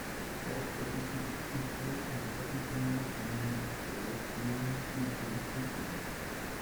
George Worthington is interred in the Worthington Mausoleum at the Lakeview Cemetery in Cleveland.